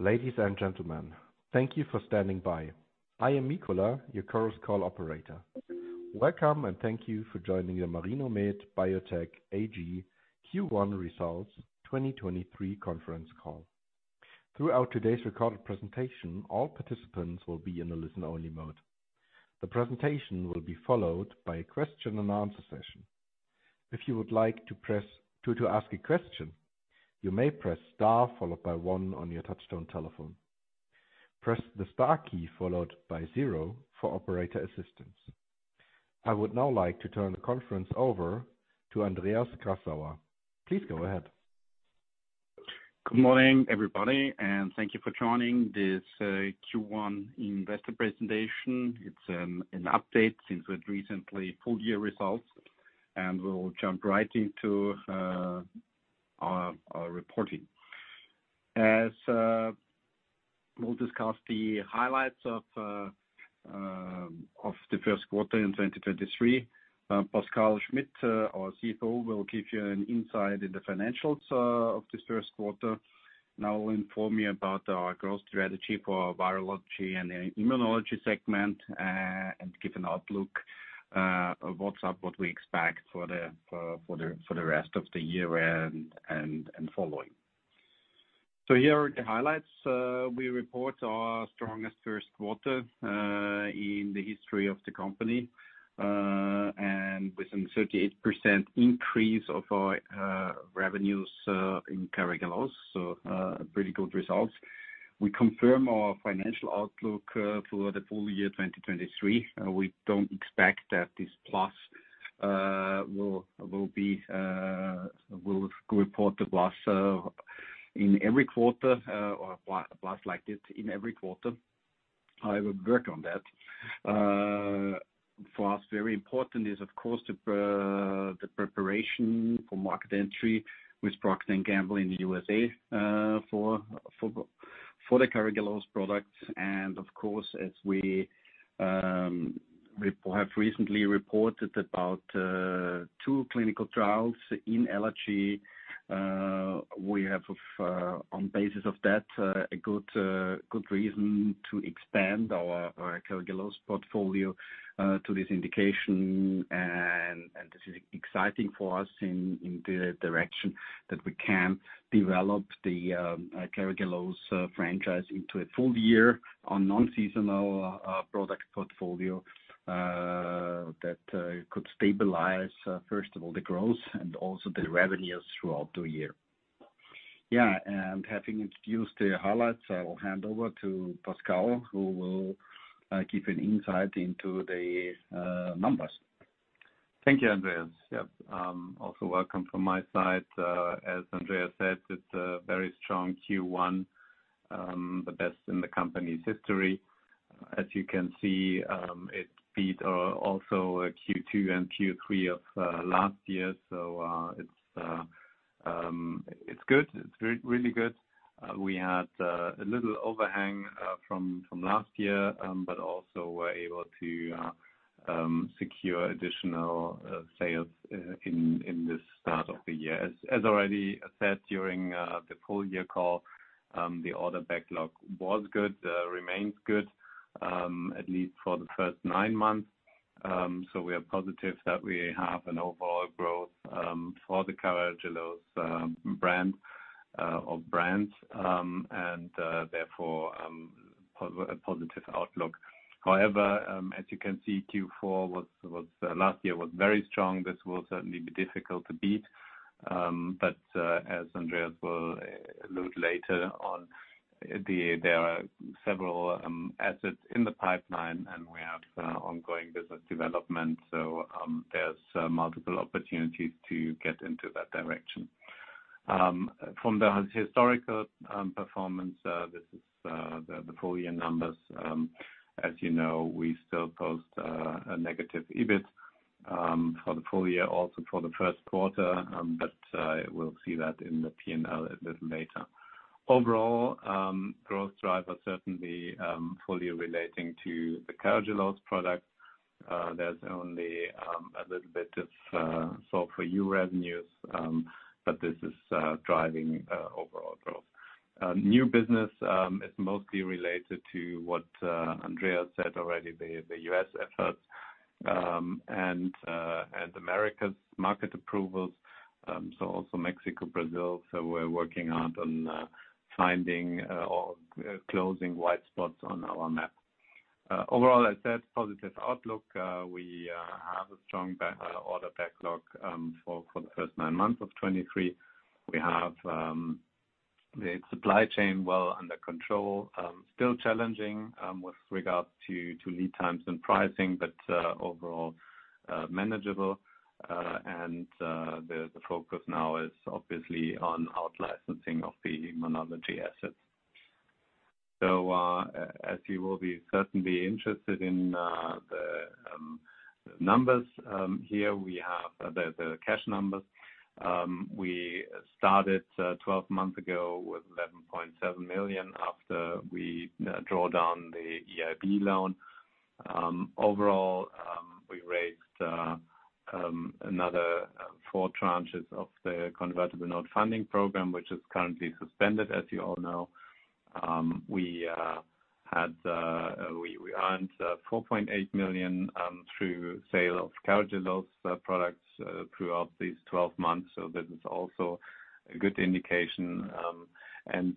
Ladies and gentlemen, thank you for standing by. I am Mikola, your Chorus Call operator. Welcome, thank you for joining the Marinomed Biotech AG Q1 Results 2023 conference call. Throughout today's recorded presentation, all participants will be in a listen-only mode. The presentation will be followed by a Q&A session. If you would like to ask a question, you may press star followed by one on your touchtone telephone. Press the star key followed by zero for operator assistance. I would now like to turn the conference over to Andreas Grassauer. Please go ahead. Good morning, everybody, thank you for joining this Q1 investor presentation. It's an update since we had recently full year results, we'll jump right into our reporting. We'll discuss the highlights of the first quarter in 2023. Pascal Schmidt, our CFO, will give you an insight into financials of this first quarter, and I will inform you about our growth strategy for virology and immunology segment and give an outlook of what's up, what we expect for the rest of the year and following. Here are the highlights. We report our strongest first quarter in the history of the company and with some 38% increase of our revenues in Carragelose. Pretty good results. We confirm our financial outlook for the full year 2023. We don't expect that this plus will be will report the plus in every quarter or a plus like this in every quarter. I will work on that. For us, very important is of course the preparation for market entry with Procter & Gamble in the USA for the Carragelose products. Of course, as we have recently reported about two clinical trials in allergy. We have on basis of that a good reason to expand our Carragelose portfolio to this indication. This is exciting for us in the direction that we can develop the Carragelose franchise into a full year on non-seasonal product portfolio that could stabilize first of all, the growth and also the revenues throughout the year. Yeah, having introduced the highlights, I will hand over to Pascal who will give an insight into the numbers. Thank you, Andreas. Yep. Also welcome from my side. As Andreas said, it's a very strong Q1, the best in the company's history. As you can see, it beat also Q2 and Q3 of last year. It's, it's good. It's really good. We had a little overhang from last year, but also were able to secure additional sales in this start of the year. As already said during the full year call, the order backlog was good, remains good, at least for the first nine months. We are positive that we have an overall growth for the Carragelose brand, or brands, and therefore, a positive outlook. As you can see, Q4 last year was very strong. This will certainly be difficult to beat. As Andreas will allude later on, there are several assets in the pipeline, and we have ongoing business development. There's multiple opportunities to get into that direction. From the historical performance, this is the full year numbers. As you know, we still post a negative EBIT for the full year, also for the first quarter. We'll see that in the P&L a little later. Overall, growth drivers certainly fully relating to the Carragelose product. There's only a little bit of Solv4U revenues, but this is driving overall growth. New business is mostly related to what Andreas said already, the U.S. efforts, and Americas market approvals. Mexico, Brazil. We're working hard on finding or closing white spots on our map. Overall, as said, positive outlook. We have a strong order backlog for the first nine months of 2023. We have the supply chain well under control. Still challenging with regard to lead times and pricing, but overall manageable. The focus now is obviously on out-licensing of the immunology assets. As you will be certainly interested in the numbers, here we have the cash numbers. We started 12 months ago with 11.7 million after we draw down the EIB loan. Overall, we raised another four tranches of the convertible note funding program, which is currently suspended, as you all know. We had, we earned 4.8 million through sale of Carragelose products throughout these 12 months. This is also a good indication, and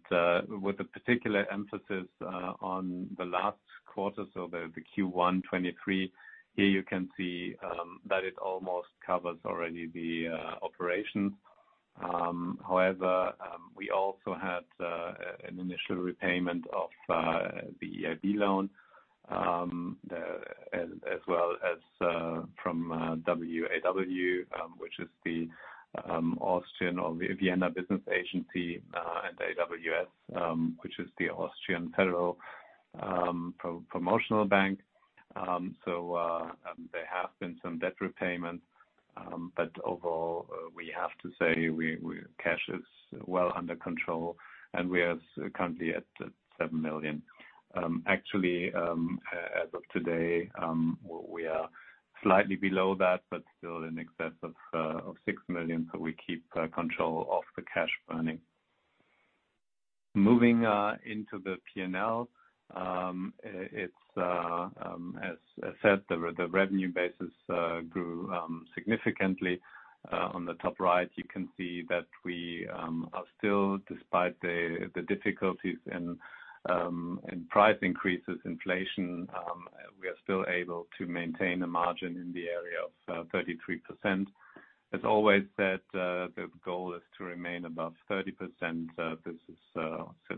with a particular emphasis on the last quarter, so the Q1 2023. Here you can see that it almost covers already the operation. However, we also had an initial repayment of the EIB loan, as well as from WAW, which is the Austrian or the Vienna Business Agency, and AWS, which is the Austrian Federal Promotional Bank. There have been some debt repayments, but overall, we have to say cash is well under control, and we are currently at 7 million. Actually, as of today, we are slightly below that, but still in excess of 6 million. We keep control of the cash burning. Moving into the P&L, it's as I said, the revenue basis grew significantly. On the top right, you can see that we are still despite the difficulties in price increases, inflation, we are still able to maintain a margin in the area of 33%. As always said, the goal is to remain above 30%. This is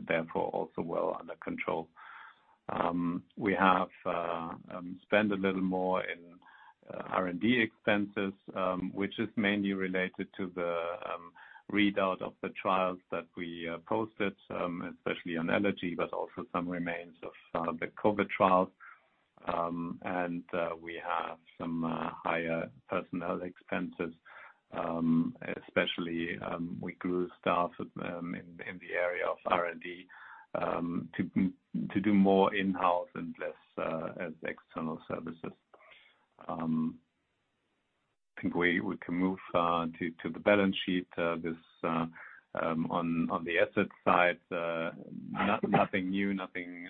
therefore also well under control. We have spent a little more in R&D expenses, which is mainly related to the readout of the trials that we posted, especially on allergy, but also some remains of some of the COVID trials. We have some higher personnel expenses, especially we grew staff in the area of R&D to do more in-house and less as external services. I think we can move to the balance sheet. This on the asset side, nothing new, nothing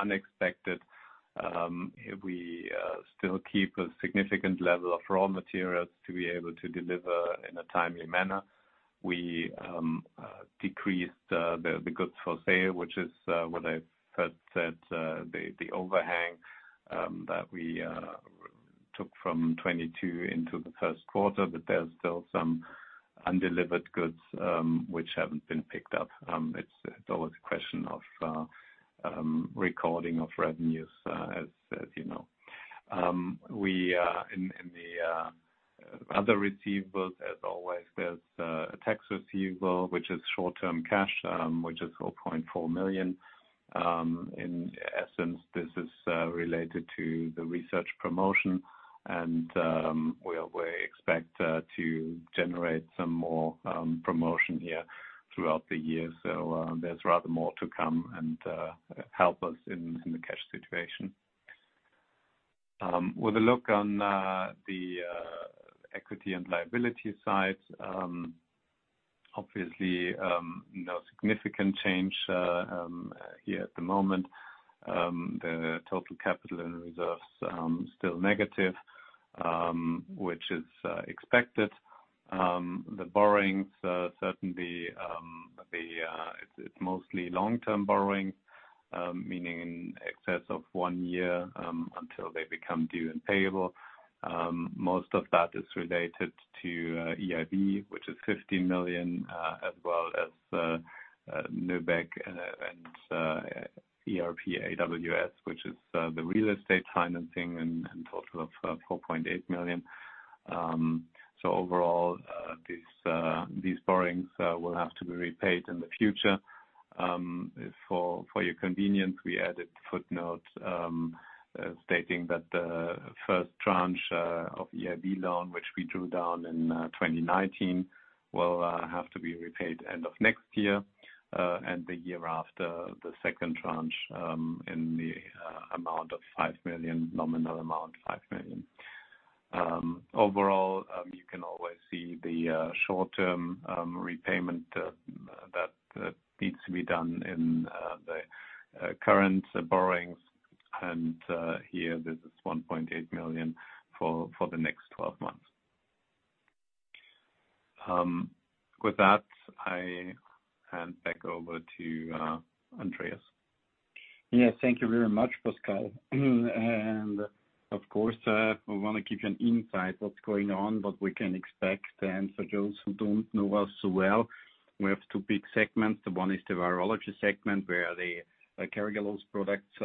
unexpected. We still keep a significant level of raw materials to be able to deliver in a timely manner. We decreased the goods for sale, which is what I first said, the overhang that we took from 2022 into the first quarter, but there's still some undelivered goods which haven't been picked up. It's always a question of recording of revenues, as you know. We in the other receivables, as always, there's a tax receivable, which is short-term cash, which is 0.4 million. In essence, this is related to the research promotion and we expect to generate some more promotion here throughout the year. There's rather more to come and help us in the cash situation. With a look on the equity and liability side, obviously, no significant change here at the moment. The total capital and reserves still negative, which is expected. The borrowings certainly, it's mostly long-term borrowing, meaning in excess of one year until they become due and payable. Most of that is related to EIB, which is 50 million, as well as NIBC and ERP AWS, which is the real estate financing and total of 4.8 million. Overall, these borrowings will have to be repaid in the future. For your convenience, we added footnotes stating that the first tranche of EIB loan, which we drew down in 2019, will have to be repaid end of next year, and the year after the second tranche, in the amount of 5 million, nominal amount 5 million. Overall, you can always see the short-term repayment that needs to be done in the current borrowings. Here this is 1.8 million for the next 12 months. With that, I hand back over to Andreas. Yes. Thank you very much, Pascal. Of course, we wanna give you an insight what's going on, what we can expect. For those who don't know us so well, we have two big segments. One is the virology segment, where the, like, Carragelose products,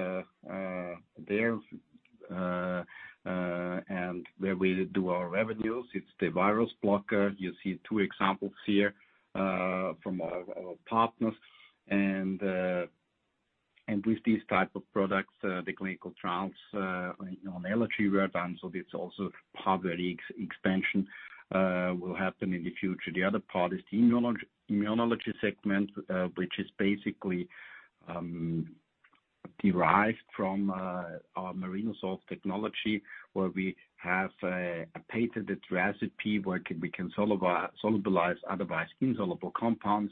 and where we do our revenues. It's the virus blocker. You see two examples here, from our partners. With these type of products, the clinical trials on allergic rhinitis, so this also target expansion will happen in the future. The other part is the immunology segment, which is basically derived from our Marinosolv technology where we have a patented recipe where we can solubilize otherwise insoluble compounds.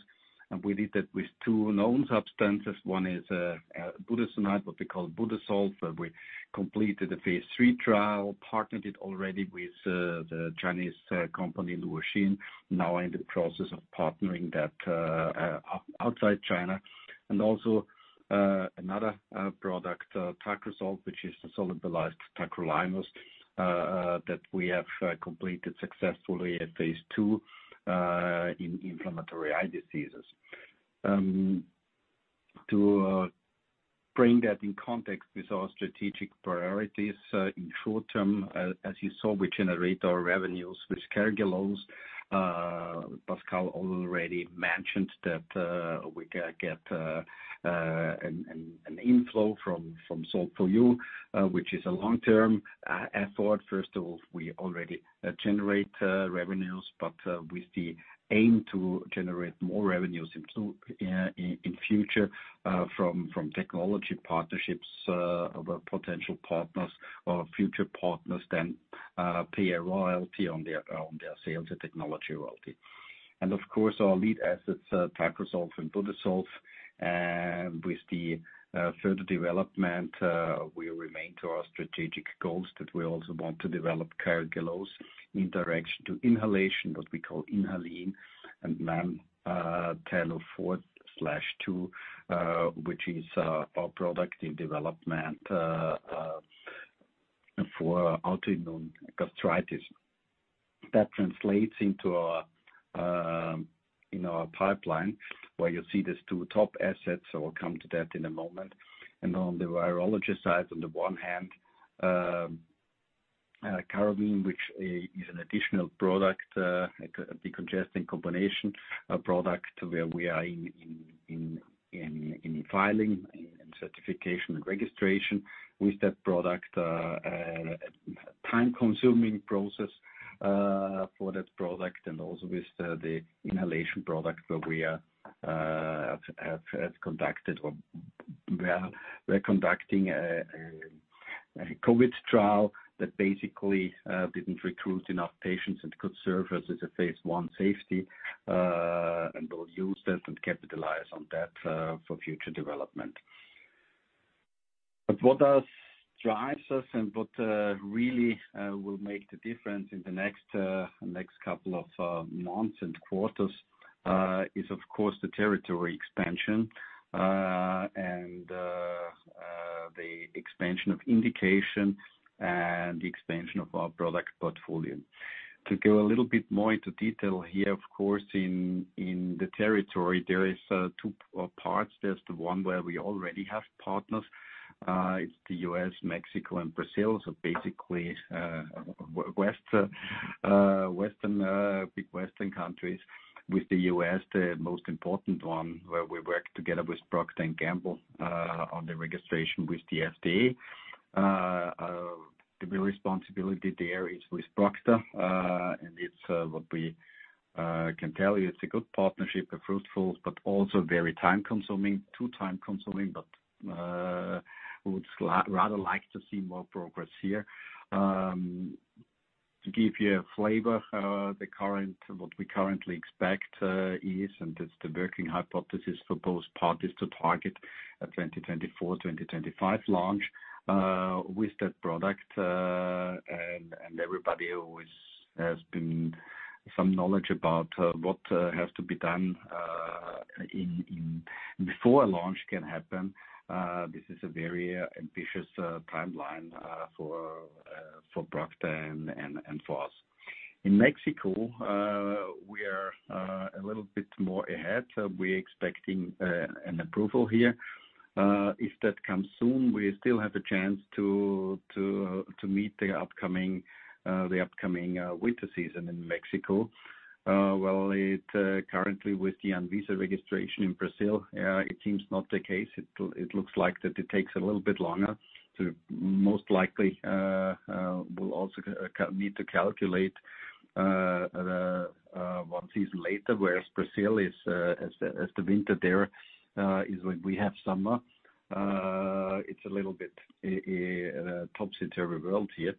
We did that with two known substances. One is budesonide, what we call Budesolv, where we completed the phase III trial, partnered it already with the Chinese company Luoxin, now in the process of partnering that outside China. Also another product Tacrosolv, which is the solubilized tacrolimus that we have completed successfully at phase II in inflammatory eye diseases. To bring that in context with our strategic priorities in short term, as you saw, we generate our revenues with Carragelose. Pascal already mentioned that we get an inflow from Solv4U, which is a long-term effort. First of all, we already generate revenues, but with the aim to generate more revenues in future from technology partnerships, other potential partners or future partners then pay a royalty on their sales and technology royalty. Of course, our lead assets, Tacrosolv and Budesolv. With the further development, we remain to our strategic goals that we also want to develop Carragelose in direction to inhalation, what we call Inhaleen, and then TLO 4/2, which is our product in development for autoimmune gastritis. That translates into our in our pipeline where you see these two top assets. I'll come to that in a moment. On the virology side, on the one hand, Carravin, which is an additional product, a decongestant combination, a product where we are in filing and certification and registration with that product. Time-consuming process for that product and also with the inhalation product where we have conducted or we're conducting a COVID trial that basically didn't recruit enough patients and could serve as a phase one safety, and we'll use that and capitalize on that for future development. What else drives us and what really will make the difference in the next couple of months and quarters is of course the territory expansion and the expansion of indication and the expansion of our product portfolio. To go a little bit more into detail here, of course, in the territory, there is two parts. There's the one where we already have partners. It's the U.S., Mexico and Brazil. Basically, big western countries with the U.S., the most important one where we work together with Procter & Gamble on the registration with the FDA. The responsibility there is with Procter, and it's what we can tell you, it's a good partnership, a fruitful, but also very time-consuming, too time-consuming, but we would rather like to see more progress here. To give you a flavor, the current, what we currently expect, is, and it's the working hypothesis for both parties to target a 2024, 2025 launch with that product. transcript of a speech given by a speaker. "Uh, and everybody always has been some knowledge about, uh, what, uh, has to be done, uh, in, before a launch can happen. Uh, this is a very ambitious, uh, timeline, uh, for, uh, for Procter and, and for us. In Mexico, uh, we are, uh, a little bit more ahead. We're expecting, uh, an approval here. Uh, if that comes soon, we still have a chance to, to meet the upcoming, uh, the upcoming, uh, winter season in Mexico. Uh, well, it, uh, currently with the Anvisa registration in Brazil, uh, it seems not the case. It lo- it looks like that it takes a little bit longer. So most likely, uh, we'll also ca-need to calculate, uh, one season later, whereas Brazil is, uh, as the, as the winter there, uh, is when we have summer. It's a little bit topsy-turvy world here.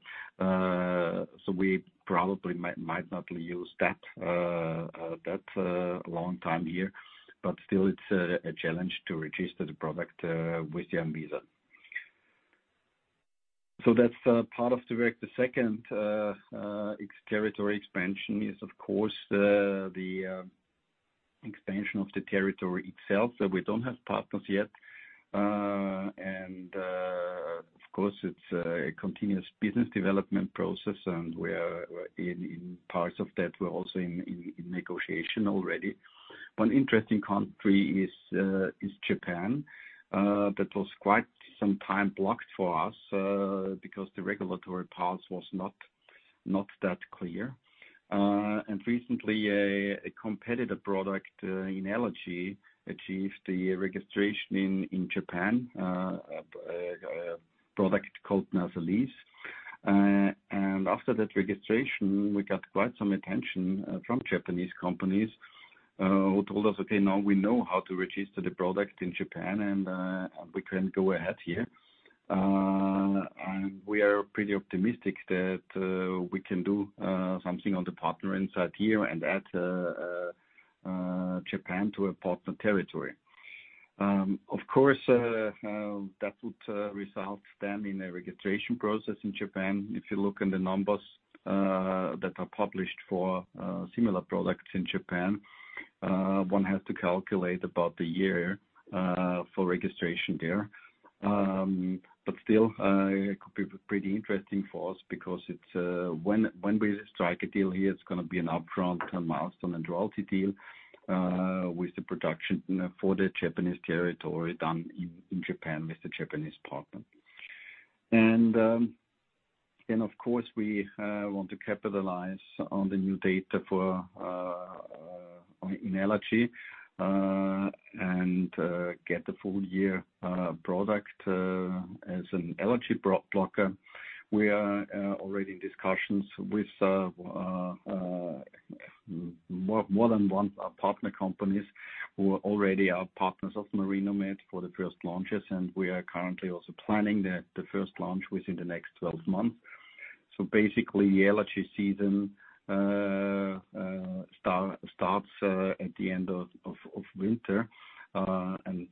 We probably might not use that long time here, but still it's a challenge to register the product with Anvisa. That's part of the work. The second ex-territory expansion is of course the expansion of the territory itself. We don't have partners yet. Of course, it's a continuous business development process, and we're in parts of that, we're also in negotiation already. One interesting country is Japan. That was quite some time blocked for us because the regulatory path was not that clear. Recently a competitor product in allergy achieved the registration in Japan, a product called Nasaleze. After that registration, we got quite some attention from Japanese companies who told us, "Okay, now we know how to register the product in Japan, and we can go ahead here." We are pretty optimistic that we can do something on the partner inside here and add Japan to a partner territory. Of course, that would result then in a registration process in Japan. If you look in the numbers that are published for similar products in Japan, one has to calculate about a year for registration there. Still, it could be pretty interesting for us because it's, when we strike a deal here, it's gonna be an upfront and milestone and royalty deal, with the production for the Japanese territory done in Japan with the Japanese partner. Of course, we want to capitalize on the new data for in allergy and get the full year product as an allergy pro-blocker. We are already in discussions with more than one partner companies who are already our partners of Marinomed for the first launches, and we are currently also planning the first launch within the next 12 months. Basically, the allergy season starts at the end of winter, and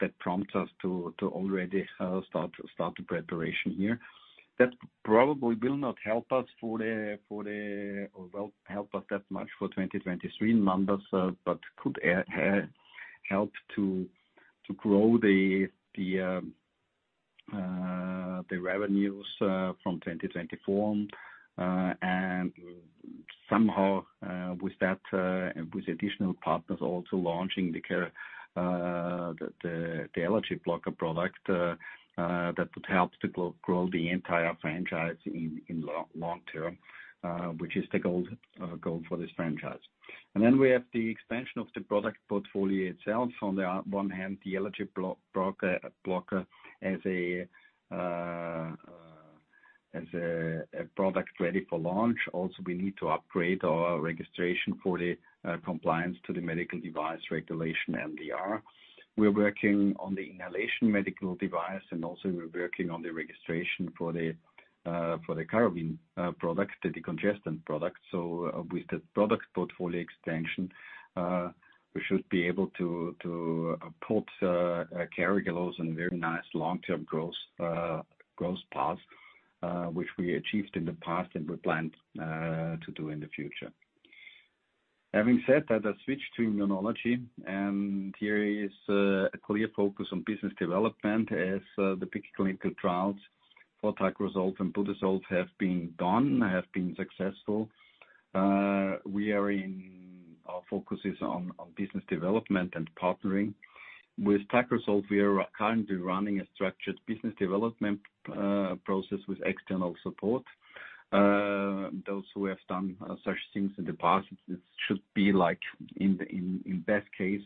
that prompts us to already start the preparation here. That probably will not help us that much for 2023 numbers, but could help to grow the revenues from 2024, and somehow, with that, with additional partners also launching the allergy blocker product, that would help to grow the entire franchise in long term, which is the goal for this franchise. We have the expansion of the product portfolio itself. On the one hand, the allergy blocker as a product ready for launch. We need to upgrade our registration for the compliance to the Medical Device Regulation MDR. We're working on the inhalation medical device, and we're working on the registration for the Carravin product, the decongestant product. With the product portfolio expansion, we should be able to put Carragelose in very nice long-term growth growth path, which we achieved in the past and we plan to do in the future. I switch to immunology, and here is a clear focus on business development as the peak clinical trials for Tacrosolv and Budesolv have been done, have been successful. Our focus is on business development and partnering. With Tacrosolv, we are currently running a structured business development process with external support. Those who have done such things in the past, this should be like in the best case,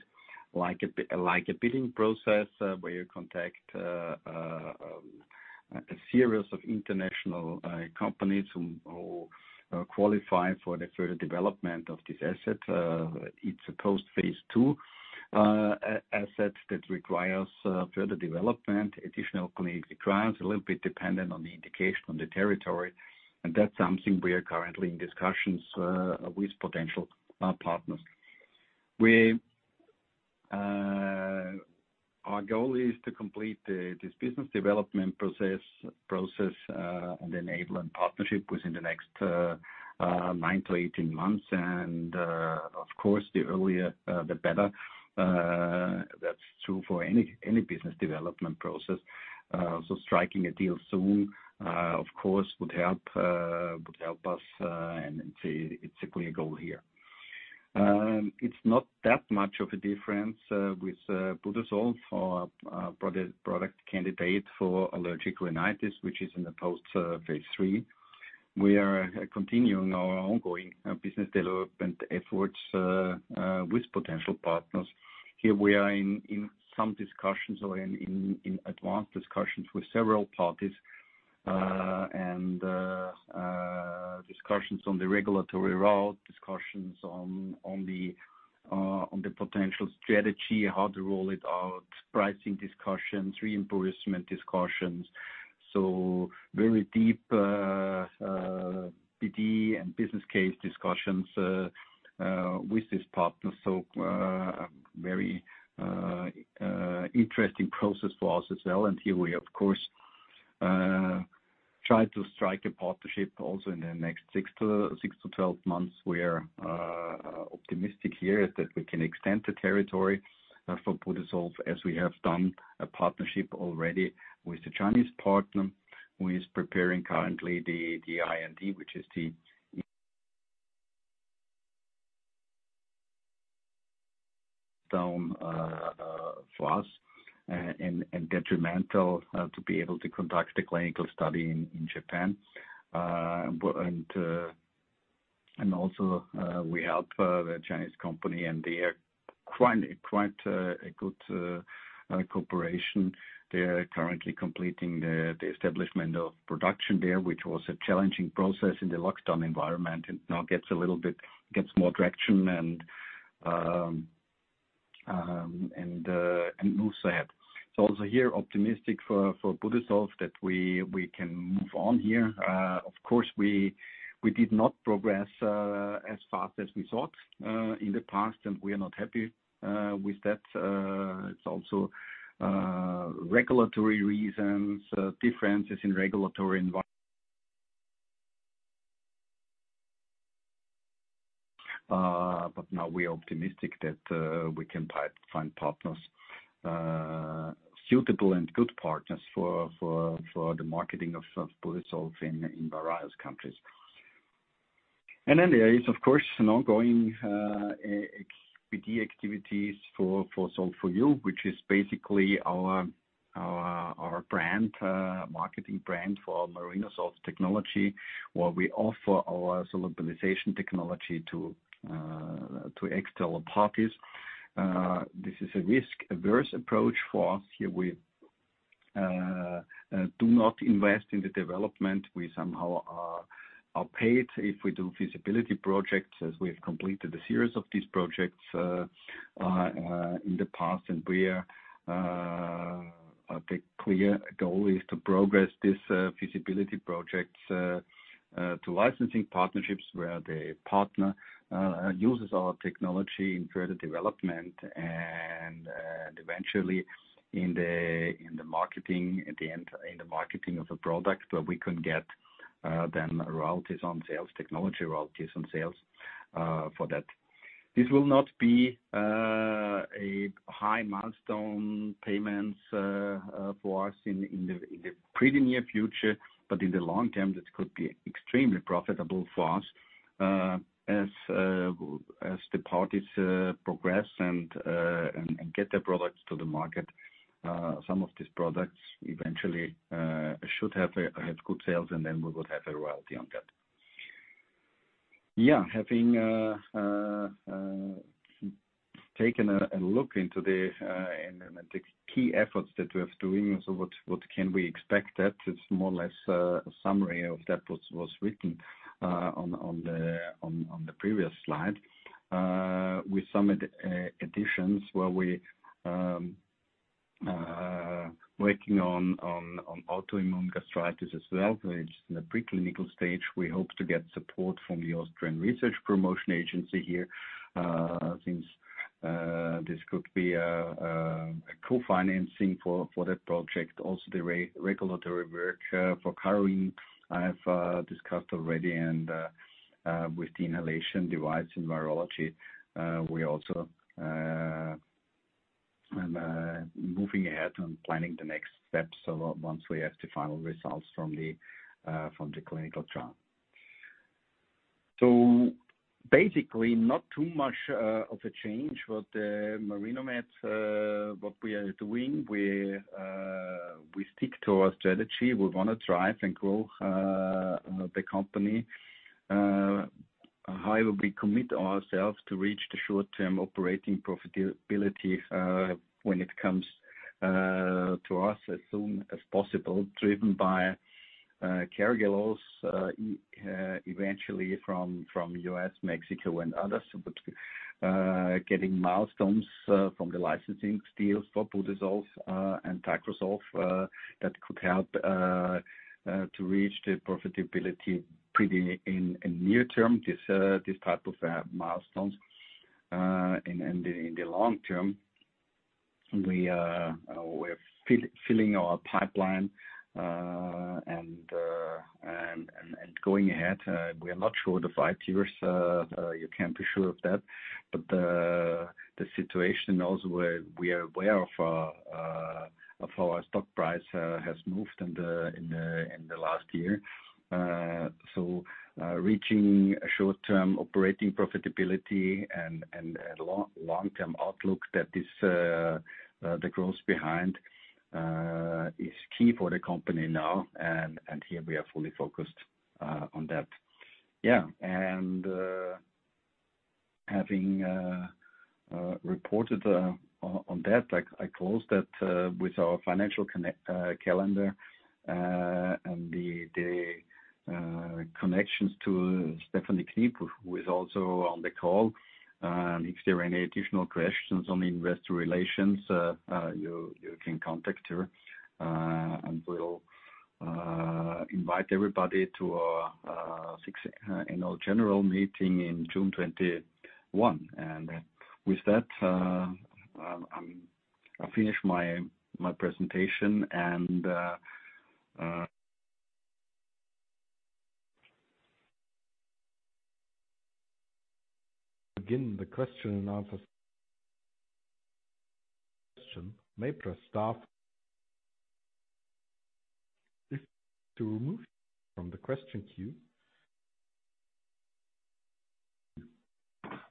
like a bidding process, where you contact a series of international companies who qualify for the further development of this asset. It's a post-phase II asset that requires further development, additional clinical trials, a little bit dependent on the indication on the territory, and that's something we are currently in discussions with potential partners. Our goal is to complete this business development process and enable a partnership within the next nine to 18 months. Of course, the earlier the better. That's true for any business development process. Striking a deal soon, of course, would help, would help us, and it's a clear goal here. It's not that much of a difference, with Budesolv, our product candidate for allergic rhinitis, which is in the post phase III. We are continuing our ongoing business development efforts with potential partners. Here we are in some discussions or in advanced discussions with several parties, and discussions on the regulatory route, discussions on the potential strategy, how to roll it out, pricing discussions, reimbursement discussions. Very deep BD and business case discussions with this partner. A very interesting process for us as well. Here we, of course, try to strike a partnership also in the next six to 12 months. We're optimistic here that we can extend the territory for Budesolv as we have done a partnership already with the Chinese partner, who is preparing currently the IND, which is for us and detrimental to be able to conduct the clinical study in Japan. Also, we help the Chinese company and they are quite a good cooperation. They are currently completing the establishment of production there, which was a challenging process in the lockdown environment and now gets a little bit, gets more traction and moves ahead. Also here, optimistic for Budesolv that we can move on here. Of course, we did not progress as fast as we thought in the past, and we are not happy with that. It's also regulatory reasons, differences in regulatory environment. But now we are optimistic that we can find partners, suitable and good partners for the marketing of Budesolv in various countries. There is, of course, an ongoing ex-PD activities for Solv4U, which is basically our brand, marketing brand for Marinosolv technology, where we offer our solubilization technology to external parties. This is a risk-averse approach for us. Here we do not invest in the development. We somehow are paid if we do feasibility projects, as we have completed a series of these projects in the past. We are a big clear goal is to progress this feasibility projects to licensing partnerships where the partner uses our technology in further development and eventually in the, in the marketing at the end, in the marketing of the product, where we can get then royalties on sales, technology royalties on sales for that. This will not be a high milestone payments for us in the, in the pretty near future, but in the long term, it could be extremely profitable for us as the parties progress and get their products to the market. Some of these products eventually should have good sales and then we would have a royalty on that. Yeah, having taken a look into the key efforts that we're doing, what can we expect that it's more or less a summary of that was written on the previous slide. With some additions where we working on autoimmune gastritis as well, which in the pre-clinical stage, we hope to get support from the Austrian Research Promotion Agency here, since this could be a co-financing for that project. The regulatory work for Carravin, I have discussed already and with the inhalation device in virology, we also am moving ahead on planning the next steps, once we have the final results from the clinical trial. Basically, not too much of a change. What Marinomed, what we are doing, we stick to our strategy. We wanna drive and grow the company. However, we commit ourselves to reach the short-term operating profitability, when it comes to us as soon as possible, driven by Carragelose, eventually from U.S., Mexico and others. Getting milestones from the licensing deals for Budesolv, and Tacrosolv, that could help to reach the profitability pretty in near term, this type of, milestones. In the long term, we're filling our pipeline, and going ahead. We are not sure the five years, you can't be sure of that. The situation also where we are aware of our stock price has moved in the last year. Reaching a short-term operating profitability and a long-term outlook that is the growth behind is key for the company now. Here we are fully focused on that. Yeah. Having reported on that, I close that with our financial calendar and the connections to Stephanie Kniep, who is also on the call. If there are any additional questions on investor relations, you can contact her. We'll invite everybody to our annual general meeting in June 21. With that, I finish my presentation. Begin the question and answer. May press star. If to remove from the question queue.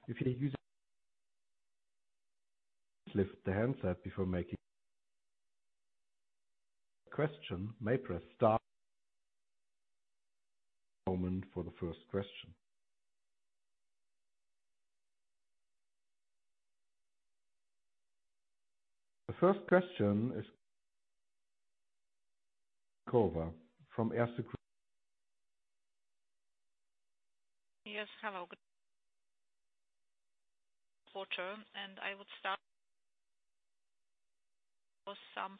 If you're using. Lift the handset before making. Question may press star one. Moment for the first question. The first question is Vladimíra Huláková from Erste Group. Yes, hello, quarter. I would was some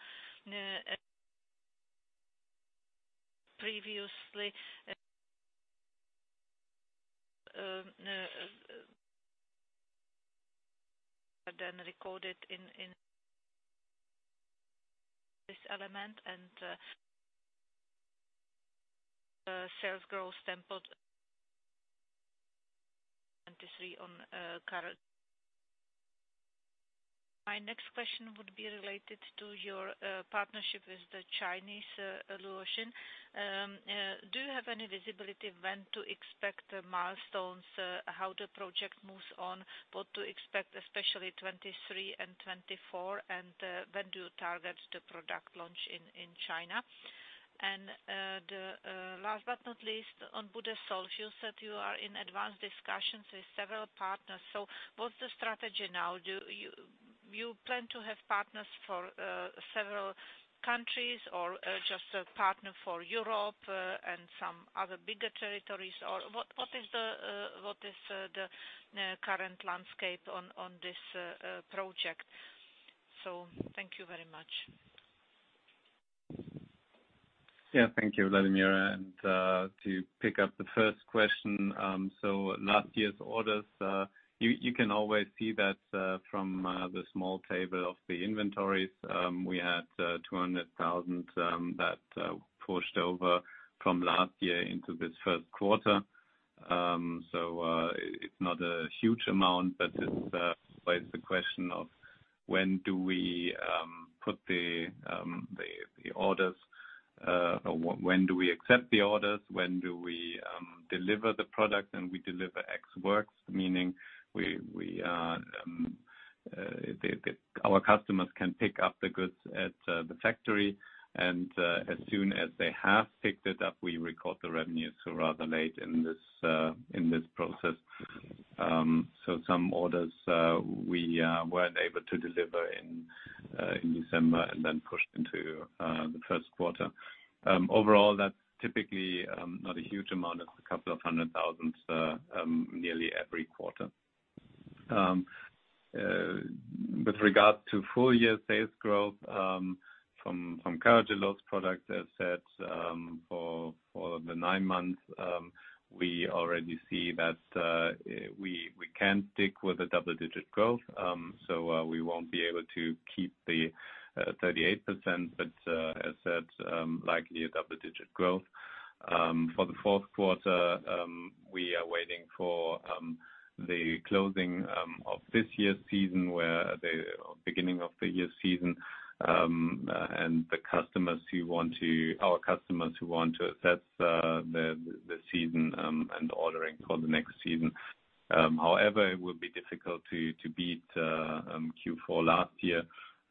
previously then recorded in this element and sales growth template 23 on current. My next question would be related to your partnership with the Chinese Luoxin. Do you have any visibility when to expect the milestones, how the project moves on, what to expect, especially 23 and 24, when do you target the product launch in China? Last but not least, on Budesolv, you said you are in advanced discussions with several partners. What's the strategy now? Do you plan to have partners for several countries or just a partner for Europe and some other bigger territories? What is the current landscape on this project? Thank you very much. Thank you, Vladimíra. To pick up the first question, last year's orders, you can always see that from the small table of the inventories. We had 200,000 that pushed over from last year into this first quarter. It's not a huge amount, but it's always the question of when do we put the orders or when do we accept the orders? When do we deliver the product? We deliver ex works, meaning we, the our customers can pick up the goods at the factory. As soon as they have picked it up, we record the revenue so rather late in this in this process. Some orders, we weren't able to deliver in December and then pushed into the first quarter. Overall, that's typically not a huge amount. It's a couple of hundred thousand nearly every quarter. With regard to full-year sales growth from Carragelose products, as said, for the nine months, we already see that we can't stick with a double-digit growth. We won't be able to keep the 38%, as said, likely a double-digit growth. For the fourth quarter, we are waiting for the closing of this year's season, where the beginning of the year's season, and our customers who want to assess the season and ordering for the next season. However, it will be difficult to beat Q4 last year.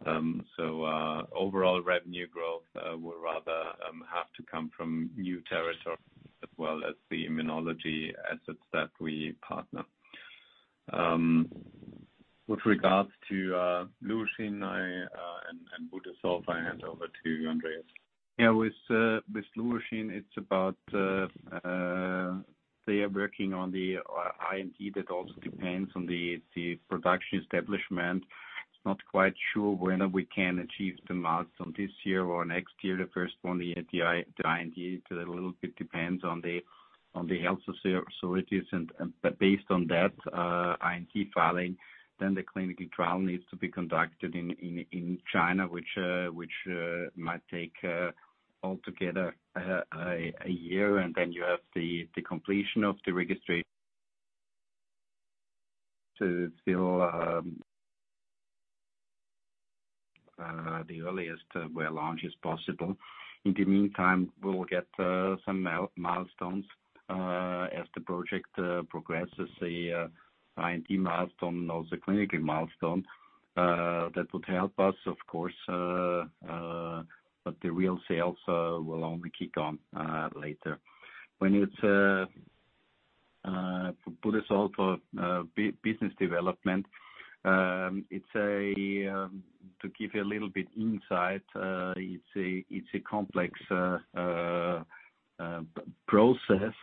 Overall revenue growth will rather have to come from new territories as well as the immunology assets that we partner. With regards to Luoxin, I and Budesolv, I hand over to you, Andreas. Yeah, with Luoxin, it's about. They are working on the IND that also depends on the production establishment. It's not quite sure whether we can achieve the marks on this year or next year. The first one, the IND, a little bit depends on the health authorities, but based on that IND filing, then the clinical trial needs to be conducted in China, which might take altogether a year. Then you have the completion of the registry to fill. The earliest where launch is possible. In the meantime, we'll get some milestones as the project progresses, say, a IND milestone, also clinical milestone, that would help us, of course, but the real sales will only kick on later. When it's for Budesolv business development, to give you a little bit insight. It's a complex process.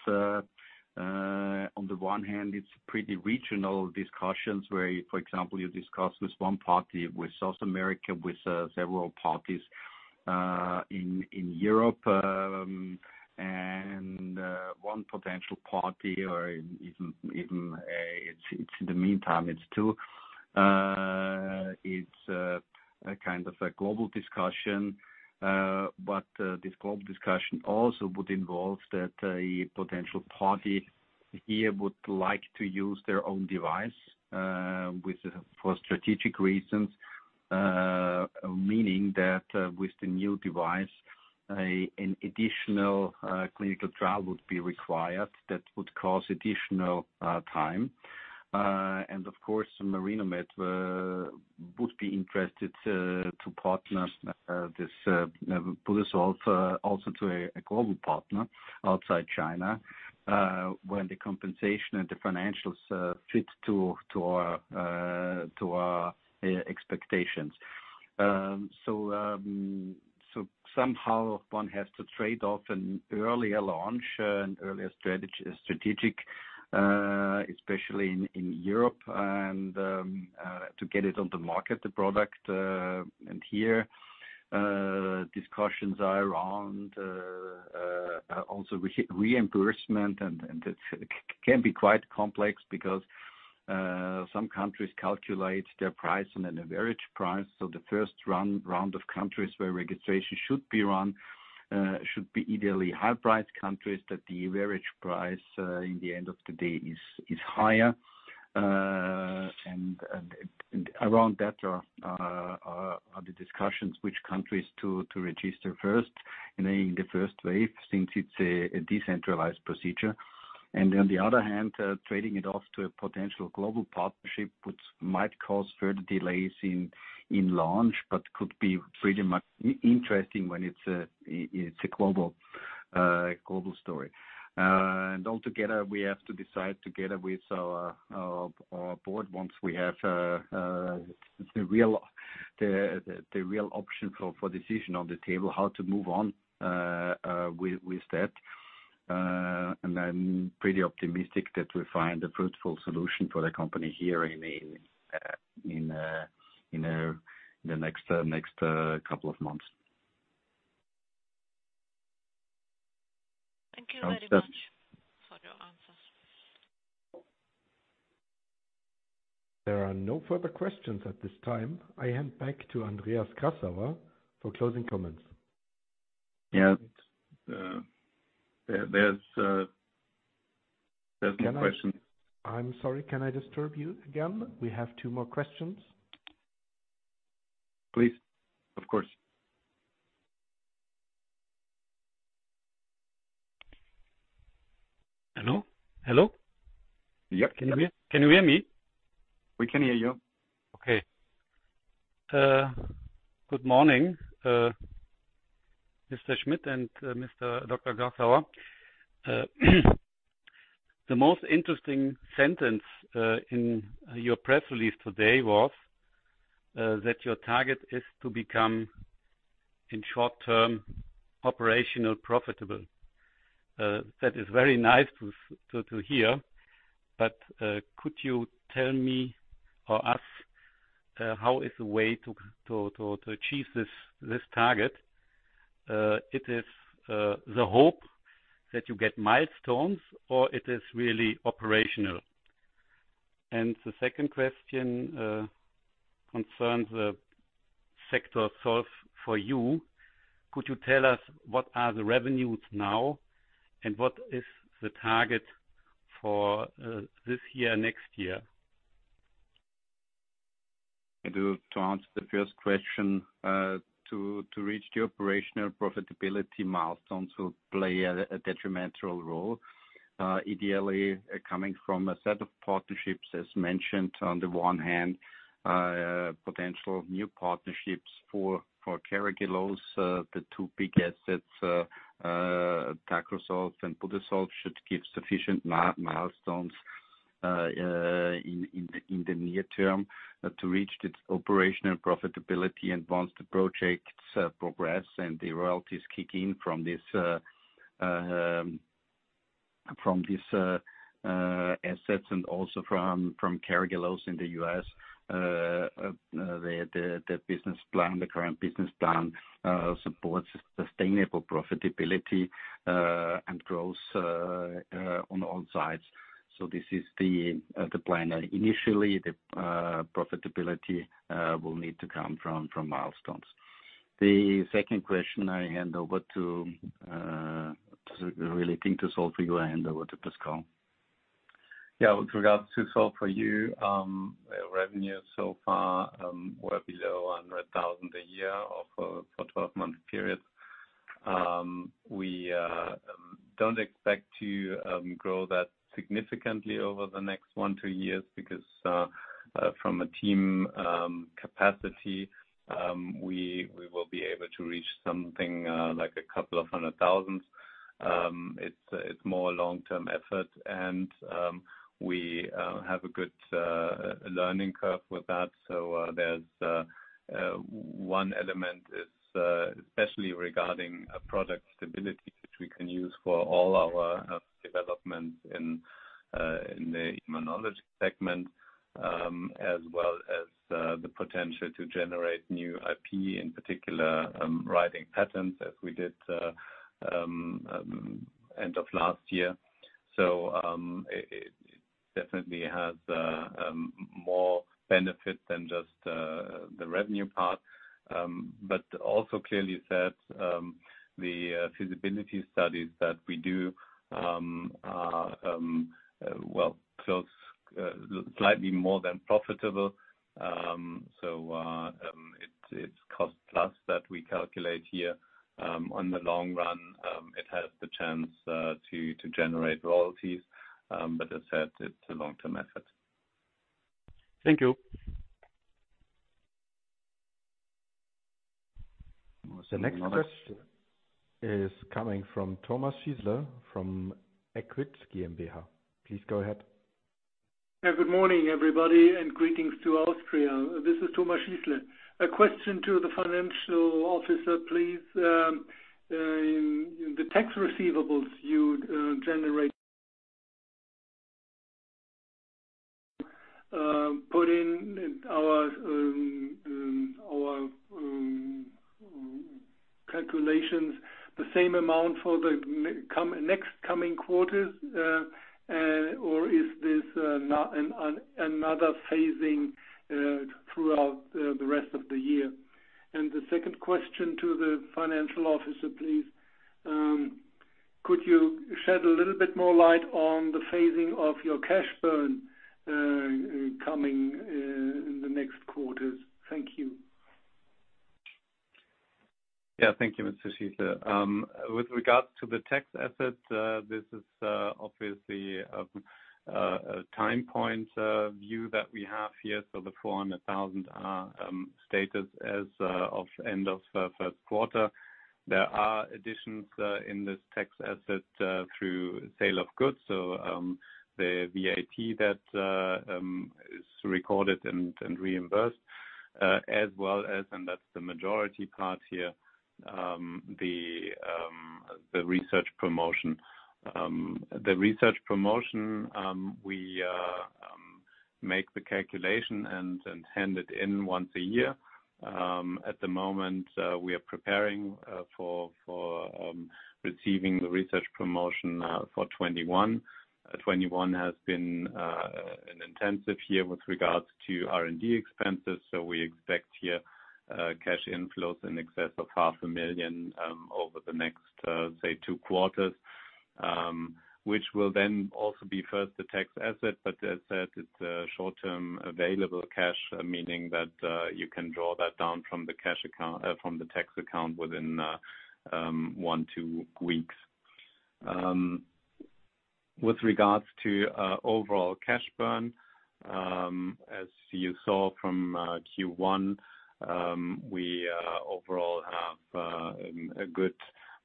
On the one hand, it's pretty regional discussions where you, for example, you discuss with one party with South America, with several parties in Europe, and one potential party or even it's in the meantime, it's two. It's a kind of a global discussion, this global discussion also would involve that a potential party here would like to use their own device, with for strategic reasons, meaning that with the new device, an additional clinical trial would be required that would cause additional time. Marinomed would be interested to partner this Budesolv also to a global partner outside China, when the compensation and the financials fit to our to our expectations. Somehow one has to trade off an earlier launch and earlier strategic, especially in Europe and to get it on the market, the product. Here, discussions are around, also reimbursement, and it can be quite complex because some countries calculate their price and an average price. The first round of countries where registration should be run, should be ideally high price countries that the average price, in the end of the day is higher. Around that are the discussions which countries to register first in the first wave, since it's a decentralized procedure. On the other hand, trading it off to a potential global partnership which might cause further delays in launch, but could be pretty much interesting when it's a global story. Altogether we have to decide together with our board once we have the real option for decision on the table, how to move on with that. I'm pretty optimistic that we'll find a fruitful solution for the company here in the next couple of months. Thank you very much. Thanks. For your answers. There are no further questions at this time. I hand back to Andreas Grassauer for closing comments. Yeah. There's no questions. I'm sorry. Can I disturb you again? We have two more questions. Please. Of course. Hello? Hello? Yep. Can you hear me? We can hear you. Good morning, Mr. Schmidt and Dr. Grassauer. The most interesting sentence in your press release today was that your target is to become, in short-term, operational profitable. That is very nice to hear. Could you tell me or us, how is the way to achieve this target? It is the hope that you get milestones or it is really operational? The second question concerns the Solv4U. Could you tell us what are the revenues now, and what is the target for this year, next year? To answer the first question, to reach the operational profitability milestones will play a detrimental role. Ideally coming from a set of partnerships, as mentioned, on the one hand, potential new partnerships for Carragelose, the two big assets, Tacrosolv and Budesolv should give sufficient milestones in the near term to reach its operational profitability. Once the projects progress and the royalties kick in from this, from this assets and also from Carragelose in the U.S., the business plan, the current business plan, supports sustainable profitability and growth on all sides. This is the plan. Initially, the profitability will need to come from milestones. The second question I hand over to, relating to Solv4U, I hand over to Pascal. With regards to Solv4U, our revenue so far, were below 100,000 a year or for 12-month period. We don't expect to grow that significantly over the next one to two years because from a team capacity, we will be able to reach something like a couple of 100,000. It's more long-term effort and we have a good learning curve with that. There's one element is especially regarding product stability, which we can use for all our developments in the immunology segment, as well as the potential to generate new IP, in particular, writing patents as we did end of last year. It definitely has more benefit than just the revenue part. Also clearly said, the feasibility studies that we do are well, close, slightly more than profitable. It's cost plus that we calculate here on the long run, it has the chance to generate royalties. As I said, it's a long-term asset. Thank you. The next question is coming from Thomas Schiessle from EQUI.TS GmbH. Please go ahead. Yeah. Good morning, everybody, and greetings to Austria. This is Thomas Schiessle. A question to the financial officer, please. In the tax receivables you generate, put in our calculations the same amount for the next coming quarters, or is this not another phasing throughout the rest of the year? The second question to the financial officer, please. Could you shed a little bit more light on the phasing of your cash burn, coming in the next quarters? Thank you. Thank you, Mr. Schiessle. With regards to the tax asset, this is obviously a time point view that we have here. The 400,000 status as of end of first quarter. There are additions in this tax asset through sale of goods. The VAT that is recorded and reimbursed as well as, and that's the majority part here, the research promotion. We make the calculation and hand it in once a year. At the moment, we are preparing for receiving the research promotion for 2021. 2021 has been an intensive year with regards to R&D expenses, so we expect here cash inflows in excess of 500,000 over the next, say, 2 quarters, which will then also be first the tax asset. As I said, it's a short-term available cash, meaning that you can draw that down from the cash account from the tax account within one to weeks. With regards to overall cash burn, as you saw from Q1, we overall have a good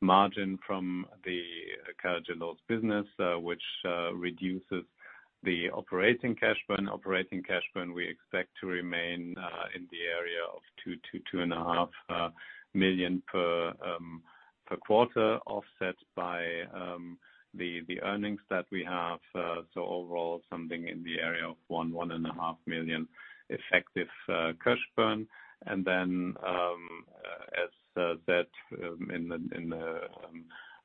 margin from the Carragelose business, which reduces the operating cash burn. Operating cash burn we expect to remain in the area of 2 million-2.5 million per quarter, offset by the earnings that we have. Overall, something in the area of 1 million-1.5 million effective cash burn. Then as said in the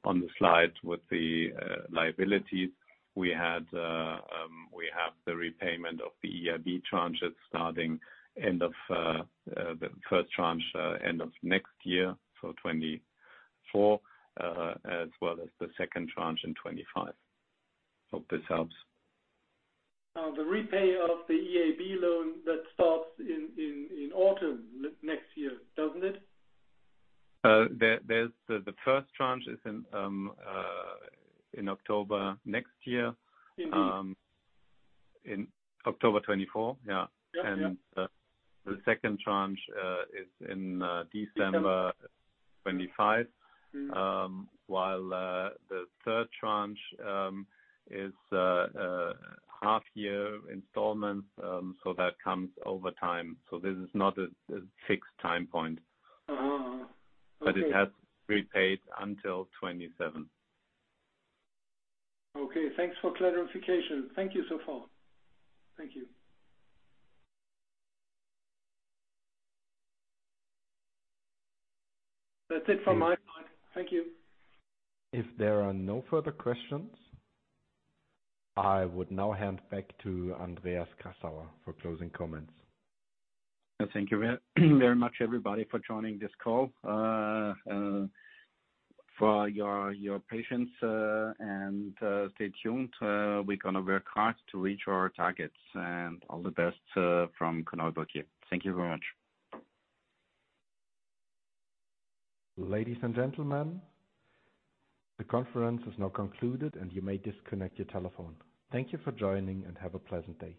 on the slide with the liabilities, we have the repayment of the EIB tranches starting end of the first tranche end of next year, so 2024, as well as the second tranche in 2025. Hope this helps. The repay of the EIB loan that starts in autumn next year, doesn't it? There's the first tranche is in October next year. Mm-hmm. In October 2024. Yeah. Yeah, yeah. The second tranche is in December 2025. Mm. While the third tranche is a half year installment, so that comes over time. This is not a fixed time point. Uh-huh. Okay. It has repaid until 2027. Okay. Thanks for clarification. Thank you so far. Thank you. That's it from my side. Thank you. If there are no further questions, I would now hand back to Andreas Grassauer for closing comments. Thank you very very much everybody for joining this call. For your patience, and stay tuned. We're gonna work hard to reach our targets. All the best from Korneuburg. Thank you very much. Ladies and gentlemen, the conference is now concluded, and you may disconnect your telephone. Thank you for joining, and have a pleasant day.